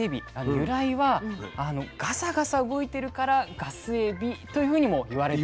由来はガサガサ動いてるからガスエビというふうにもいわれているんです。